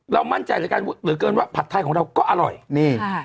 เรามั่นใจหรือเกินว่าผัดไทยของเราก็อร่อยนี่ค่ะ